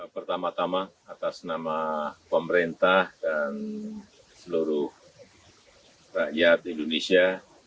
pertama tama atas nama pemerintah dan seluruh rakyat indonesia